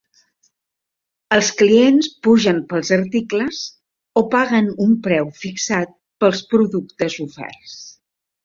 Els clients pugen pels articles o paguen un preu fixat pels productes oferts.